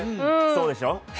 そうでしょ。